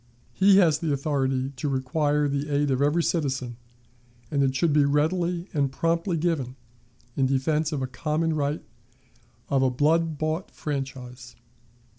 He has authority to require the aid of every citizen, and it should be readily and promptly given, in defense of a common right of a blood bought franchise.